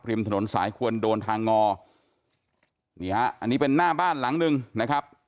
ริมถนนสายควรโดนทางงอนี่ฮะอันนี้เป็นหน้าบ้านหลังหนึ่งนะครับ